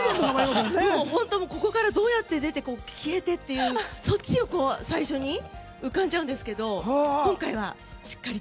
本当に、ここからどうやって出て消えてっていうそっちを最初に浮かんじゃうんですけど今回は、しっかりと。